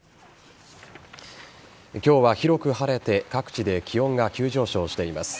今日は広く晴れて各地で気温が急上昇しています。